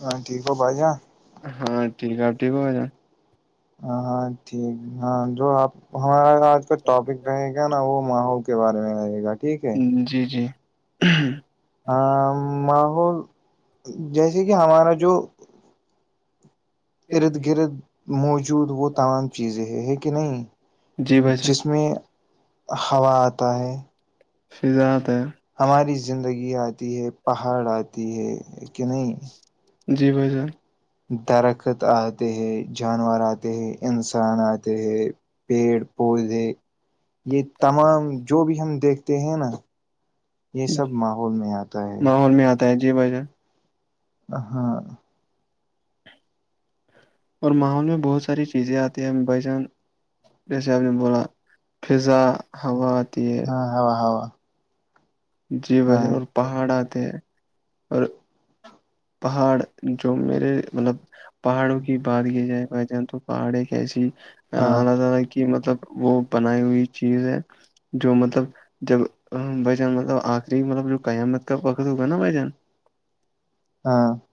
ہاں ٹھیک ہو بائی جان ہاں ٹھیک آپ ٹھیک ہو جائیں ہاں ہاں ٹھیک ہاں جو آپ ہمارا آج کا ٹاپک رہے گا نا وہ ماحول کے بارے میں رہے گا ٹھیک ہے ہ [unintelligible] ماحول جیسے کہ ہمارا جو ارد گرد موجود وہ تمام چیزیں ہے ہے کہ نہیں جس میں ہوا آتا ہے ہماری زندگی آتی ہے پہاڑ آتے یہ کہ نہیں [unintelligible] درخت آتے ہے جانور آتے ہیں انسان آتے ہے پیڑ پودودے یہ تمام جو بھی ہم دیکھتے ہیں نا یہ سب ماحول میں آتا ہے ہاں اور ماحول میں بہت ساری چیزیں آتی ہیں بھائی جان جیسے آپ نے ب رہ فضا ہوا اتی ہے ہاں ہوا ہوا جی بجر اور پہاڑ آتے ہیں اور پہاڑ جو میرے مطلب پہاڑوں کی بات کی جائے بہ جان تو پہاڑ ایک کیسی ا العلہ تعالی کی مطلب وہ بنائی ہوئی چیز ہے جو مطلب جب مطلب آخری مطلب جو قیامت کا وقت ہوگا نا بھائی جان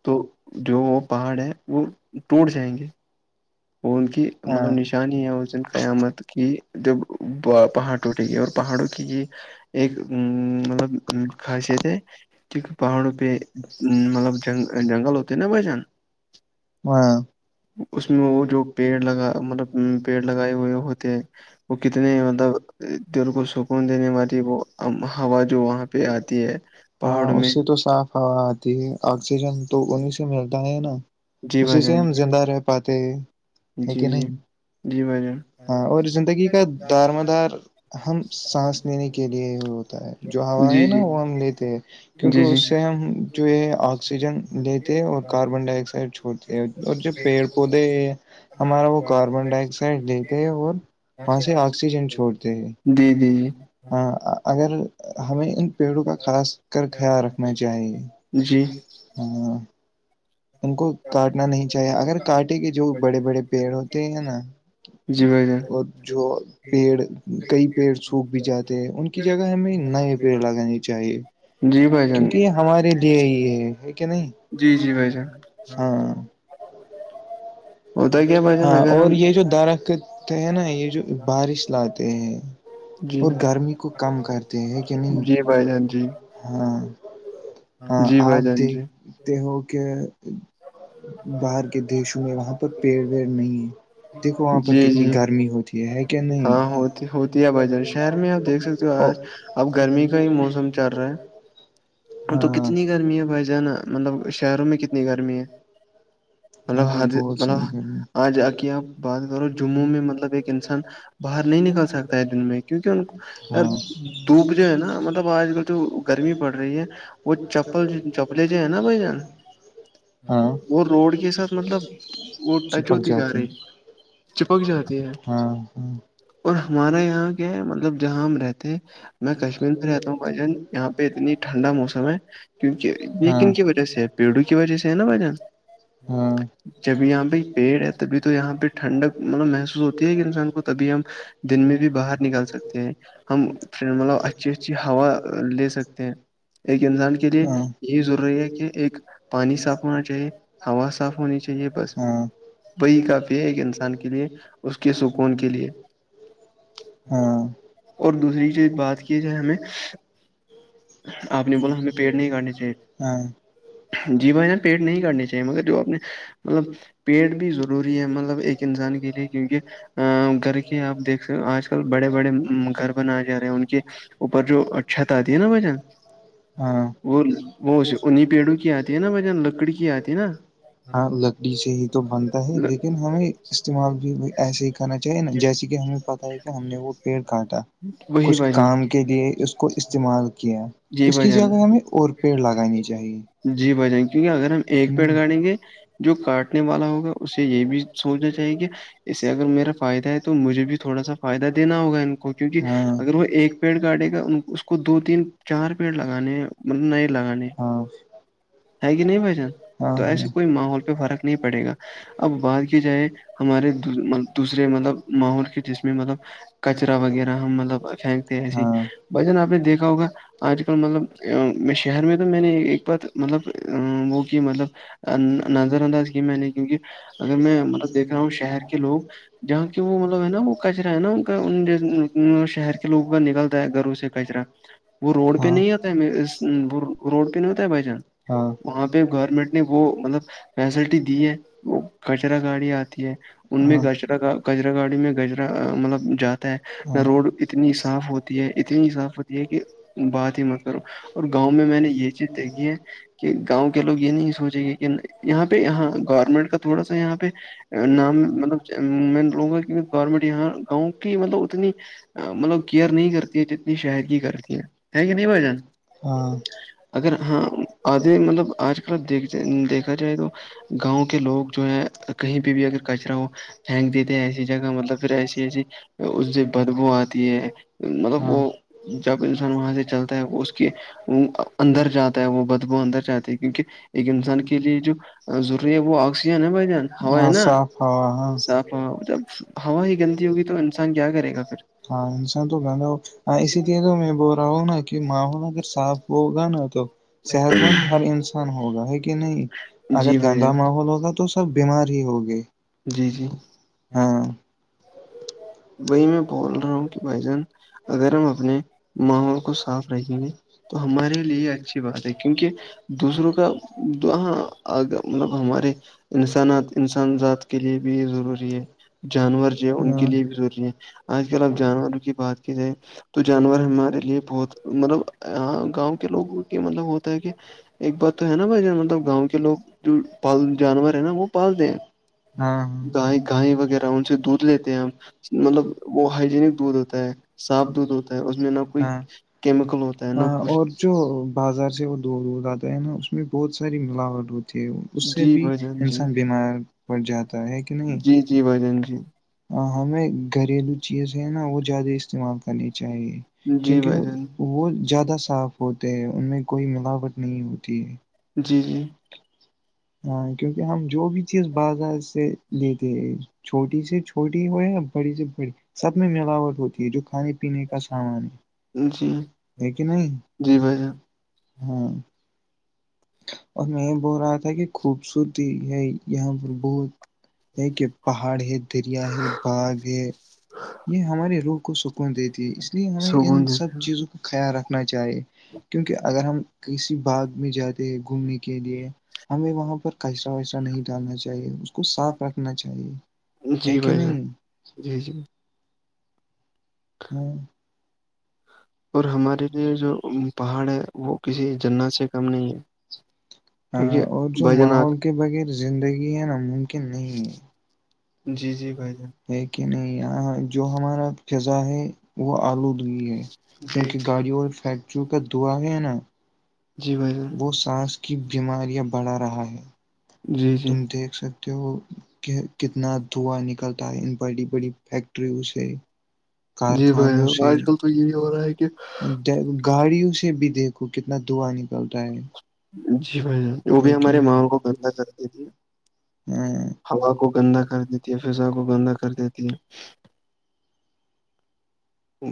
تو جو وہ پہاڑ ہے وہ ٹوٹ جائیں گے وہ کی مطلب نشانی ا زن قیامت کہ جب پہاڑ ٹوٹے گی اور پہاڑوں کی یہ ایک ا مطلب خاصیت ہے کیونکہ پہاڑوں پہ مطلب جن جنگل ہوتے نا بچان ہاں اس میں وہ جو پیڑ لگا مطلب پیڑ لگائے ہوئے ہوتے ہیں وہ کتنے مطلب دل کو سکون دینے والی وہ ہوا جو وہاں پہ آتی دے ہاں اس سے تو صاف ہوا آتی ہے آکسیجن تو انیں سے ملتا ہے نا اسی سے ہم زندہ رہ پاتے ہیں ہے کہ نہیں ہاں اور زندگی کا دار مدار ہم سانس لینے کے لیے ہوتا جو ہوا ہے نا وہ ہم لیتے ہیں کیونکہ اس سے ہم جو ہے آکسیجن لیتے اور کاربن ڈائی آکسائڈ اور جو پیڑ پودے ہمارا وہ کاربن ڈائی آکسائڈ لیتے ہیں اور وہاں سے آکسیجن چھوڑتے ہیں ہاں اگر ہمیں ان پیڑوں کا خاص خیال رکھنا چاہیے ہاں ان کو کاٹنا نہیں چاہیے اگر کاٹے کے جو بڑے بڑے پیڑ ہوتے ہیں نا جی بھائی جان جو پیڑ کئی پیڑ سوکھ بھی جاتے ہیں ان کی جگہ ہمیں نئے پیڑ لگانے چاہیے کیونکہ یہ ہمارے د ہی ہے کہ نہیں جی جی بھائی جان ہاں اور یہ جو درخت ہے نا یہ جو بارش لاتے ہیں اور گرمی کو کم کرتے ہیں کہ نہیں ہاں ہاں آپ دیک ہو کہ باہر کے دیشوں میں وہاں پر پیڑ ویڑ نہیں ہے دیکھو وہاں پر کتنی گرمی ہوتی ہے ہے کیا نہیں اب گرمی کا ہی موسم چل رہا ہے تو کتنی گرمی ہے بھائی جانا مطلب شہروں میں کتنی گرمی ہے مطلب ہ مطلب آ جا کے آپ بات کرو جموں میں مطلب ایک انسان باہر نہیں نکل سکتا ہے دن میں کیونکہ ان یار دھوپ جو ہے نا مطلب آج کل تو گرمی پڑ رہی ہے وہ چپل چپلیں جو ہے نا بھائی جان وہ روڈ کے ساتھ مطلب چپک جائے تو ہاں ہ اور ہمارے یہاں کیا مطلب جہاں ہم رہتے ہیں میں کشمیر میں رہتا ہوں بھجن یہاں پہ اتنی ٹھنڈا موسم ہے کیونکہ یہیکن کی وجہ سے پیڑوں کی وجہ سے ہے نا بھجان ہاں جب یہاں پہ پیڑ ہے تبھی تو یہاں پہ ٹنڈک مطلب محسوس ہوتی ہے کہ انسان کو تبھی ہم دن میں بھی باہر نکال سکتے ہیں ہم مطلب اچھی اچھی ہوا لے سکتے ہیں ایک انسان کے لیے یہی ضروری ہے کہ ایک پانی صاف ہونا چاہیے ہوا صاف ہونی چاہیے چ یہ بس وہی کافی ہے ایک انسان کے لیے اس کے سکون کے لیے اور دوسری چیز بات کی جائے ہمیں آپ نے بولا ہمیں پیڑ نہیں کاٹنے چاہیے جیوا ہے نا پیٹ نہیں کاٹنے چاہیے مگر جو اپنے مطلب پیڑ بھی ضروری ہے مطلب ایک انسان کے لیے کیونکہ گھر کے آپ دیکھ سک آج کل بڑے بڑے گربن جا رہے ہیں ان کے اوپر جو چھت آتی ہے نا وجن ہاں وہ اننی پیڑھی کی آ ہے نا پیڑ کی آتی ہے نا ہاں لکڑی سے ہی تو بنتا ہے لیکن ہمیں استعمال بھی ایسے ہی کرنا چاہیے نا جیسے کہ ہمیں پتہ ہے کہ ہم نے وہ پیڑ کاٹا کچھ کام کے لیے اس کو استعمال کیا اس کی جگہ ہمیں اور جی بھائی جان کیونکہ اگر ہم ایک پیڑ گڑیں گے جو کاٹنے والا ہوگا اسے یہ بھی سنا چاہیے اسے اگر میرا فائدہ ہے تو مجھے بھی تھوڑا سا فائدہ دینا ہوگا ان کو کیوںکہ اگر وہ ایک پیڑ کاٹے گا اس کو دو تین چار پیڑ لگانے م نہیں لگے ہے کہ نہیں بان تو ایسے کوئی ماحول فرق نہیں پڑے گا اب بعات کی جائے ہمارے دوسرے مطلب ماحول کے جس میں مطلب کچرا وغیرہ ہم مطلب پھینکتے ایسے بھ جان آپ نے دیکھا ہوگا آج کل مطلب شہر میں تو میں نے ایک بات مب وہ کہ مطلب نظر انداز کی میں نے کیونکہ میں مطلب دیکھ رہا ہوں شہر کے لوگ جہاں کی وہ مطلب ہے نا وہ کچرا ہے نا ان کا شہر کے لوگوں کا نکلتا ہے گھروں سے کچرا وہ روڈ پہ نہیں آتا ہے روڈ پہ نہیں ہوتا ہے بائی چانس وہاں پہ گورنمنٹ نے وہ مطلب فیسلٹی دی ہے وہ کچرا گاڑی آتی ہے ان میںچرا کچرا گاڑی میں گچرا مطلب جاتا ہے نہ روڈ اتنی صاف ہوتی ہے اتنی صاف ہوتی ہے کہ بات ہی مت کرو اور گاؤں میں میں نے یہ چیز دیکھی ہے کہ گاؤں کے لوگ یہ نہیں سوچیں گے کہ یہاں پہ یہاں گورنمنٹ کا تھوڑا سا یہاں پہ نام مطلب میں لوں گا کہ گورنمنٹ یہاں گاؤں کی مطلب اتنی مطلب کیئر نہیں کرتی ہے جتنی شایدگی کرتی ہے ہے کہ نہیں بھ جان اگر ہاں آگے مطلب آج کل آ دیکھ دیکھا جائے تو گاؤں کے لوگ کہیں پہ بھی اگر کچرا وہ ھییننک دیتے ایسی جگہ مطلب پ ایسی ایسی اس سے بدبو آتی ہے مطلب وہ جب انسان وہاں سے چلتا ہے وہ اس کہ وہ اندر جاتا ہے وہ بدبو اندر جاتی ہے کیونکہ ایک انسان کی جی جی جی وہ آ ہ صاف ہا ہاں ہاں انسان تو گہندا ہو ہاں اسی لیے تو میں بول رہا ہوں نا کہ ماحول اگر صاف ہوگا نا تو صحت مند ہر انسان ہوگا ہے کہ نہیں اگر گندا ماحول ہوگا تو سب بیمار ہی ہوگے ہاں وہی میں بول رہا ہوں کہ بھائی جان اگر ہم اپنے ماحول کو صاف رکھیں گے تو ہمارے لیے یہ اچھی بات ہے کیونکہ دوسروں کا ہاں مطلب ہمارے انسانات انسان ذات کے لیے بھی ضروری ہے جانور ان کے لیے بھی ضروری ہے آج کل اب جانوروں کی بات کی جائے تو جانور ہمارے لیے بہت مطلب گاؤں کے لوگوں کے مطلب ہوتا ہے کہ ایک بات تو ہے نا بھائی مطلب گاؤں کے لوگ جو پال جانور ہے نا وہ پالتے ہیں گائے گائی وغیرہ ان سے دودھ لیتے مطلب وہ ہائجینک دودھ ہوتا ہے صاف دودھ ہوتا ہے اس میں نہ کوئی بک ہاں اور جو بازار سے وہ دور دور آتا ہے نا اس اس میں بہت ساری ملاوٹ ہوتی ہے اس سے بھی انسان بیمار پڑ جاتا ہے کہ نہیں جی جی بھجن جی ہ ہمیں گھریلو چیز ہے نا وہ زیادہ استعمال کرنی چاہیے کیونکہ وہ زیادہ صاف ہوتے ہیں ان میں کوئی ملاوٹ نہیں ہوتی ہے جی جی ہاں کیونکہ ہم جو بھی چیز بازار سے لیتے ہیں چھوٹی سے ہویا بڑی سے بڑی سب میں ملاوٹ ہوتی ہے جو کھانے پینے کا سامان ہے ہے کہ نہیں ہاں اور میں یہ بول رہا تھا کہ خوبصورتی ہے یہاں پر بہت یہ کہ پہاڑ ہے دریا ہے باغ ہے یہ ہمارے روح کو سکون دیتی ہے اس لیے ہمیں ان سب چیزوں خیال رکھنا چاہیے کیونکہ اگر ہم کسی باغ میں جاتے ہیں گھومنے کے لیے ہمیں وہاں پر کچرا ویسرا نہیں ڈالنا چاہیے اس کو صاف رکھنا چاہیے ہے کہ نہیں جی جی ہ [inaudible] [unintelligible] اور ہمارے لیے جو پہاڑ ہے وہ کسی جنت سے کم نہیں ہے ہاں اور جو ماحول کے بغیر زندگی ہے نا ممکن نہیں ہے جی ج ہے کہ نہیں یہاں جو ہمارا فضا ہے وہ آلودگئی ہے کیونکہ گاڑیوں اور فیکٹریوں کا دوا ہے نا بہت سانس کی بیماریاں بڑھا رہا ہے تم دیکھ سکتے ہو کہ کتنا دھواں نکلتا ہے ان بڑی بڑی فیکٹریوں سے کارخانوں سے گاڑیوں سے بھی دیکھ کو کتنا دھواں نکلتا ہے جی بھائی جان وہ بھی ہماری ماہول کو گندا کردیتی ہے ہاں ہوا کو گندا کر دیتی ہے فضا کو گندا کر دیتی ہے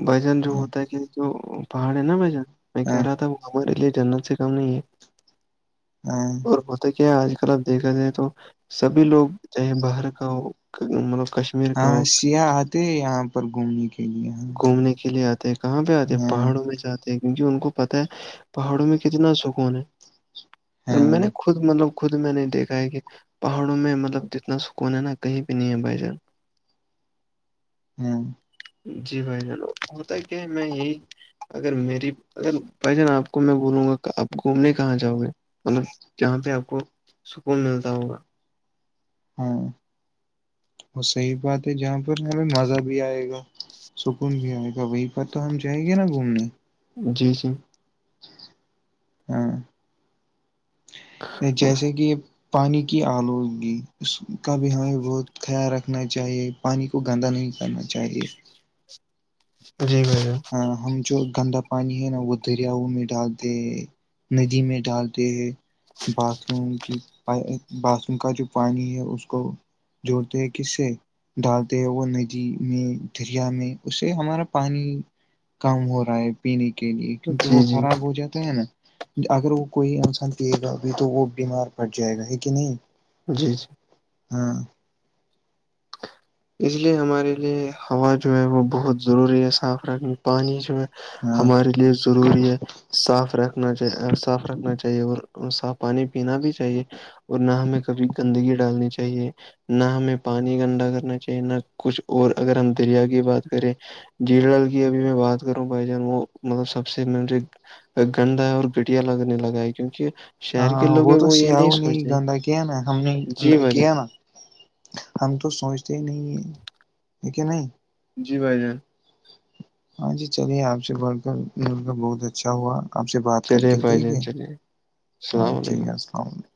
بھائی جان جو ہوتا ہے کہ جو پہاڑ ہے نا بھائی جان میں کہہ رہا تھا وہ ہمارے لیے جنت سے کم نہیں ہے اور ہوتا کیا ہے آج کل آپ دیکھا جایے تو سبھی لوگ چاہے باہر کا ہو مطلب کشمیر کا ہو تے یہاں پر گھومنے کے لیے گھومنے کے لیے آتے ہیں کہاں پہ آتے ہیں پہاڑوں میں جاتے ہیں کیونکہ ان کو پتہ ہے پہاڑوں میں کتنا سکون ہے میں نے خود مطلب خود میں نے دیکھا ہے کہ پہاڑوں میں مطلب جتنا سکون ہے نا کہیں پہ نہیں ہے بھائی جان ہاں [unintelligible] جی بھائی جان ہوتا کیا ہے میں یہی اگر میری اگر بھائی جان آپ کو میں بولوں گا آپ گھومنے کہاں جاؤ گے مطلب جہاں پہ آپ کو سکون ملتا ہوگا ہاں وہ صحیح بات ہے جہاں پر ہمیں مزہ بھی آئے گا سکون بھی آئے گا وہی پر تو ہم جائیں گے نا گھومنے جی جی ہاں جیسے کہ پانی کی آلودگی اس کا بھی ہمیں بہت خیال رکھنا چاہیے پانی کو گندہ نہیں کرنا چاہیے ہاں ہم جو گندا پانی ہے نا وہ دریاؤں میں ڈالتے ندی میں ڈالتے ہیں باتھ روم کی باتھ روم کا جو پانی ہے اس کو جوڑتے ہیں کس سے ڈالتے ہیں وہ ندی میں دریا میں اسے ہمارا پانی کم ہو رہا ہے پینے کے لیے کیونکہ وہ خراب ہو جاتا ہے نا اگر وہ کوئی انسان پیے گا بھی تو وہ بیمار پڑ جائے گا ہے کہ نہیں جی جی ہاں اس لیے ہمارے لیے ہوا جو ہے وہ بہت ضروری ہے صاف رکھنے پانی جو ہے ہمارے لیے ضروری ہے صاف رکھنا چ صاف رکھنا چاہیے اور اور صاف پانی پینا بھی چاہیے اور نہ ہمیں کبھی گندگی ڈالنی چاہیے نہ ہمیں پانی گندا کرنا چاہیے نہ کچھ اور اگر ہم دریا کی بات کریں جھیل ڈل کی ابھی میں بات کروں بھائی جان وہ مطلب سب سے مجے گندا ہے اور گٹیا لگنے لگا ہے کیونکہ ہاں وہ تو سیاحوں نے گندا کیا نا ہم نے گندا کیا نا ہم تو سوچتے ہی نہیں ہیں کہ نہیں جی بھائی ہاں جی چلیے آپ سے بڑ کر بہت اچھا ہوا آپ سے بات کر کے ٹھیک ہے ہاں ٹھیک ہے السلام علیکم